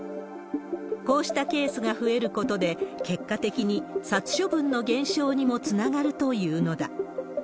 こうしたケースが増えることで、結果的に殺処分の減少にもつながるというのだ。